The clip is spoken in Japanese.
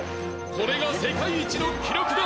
「これが世界一の記録だ！」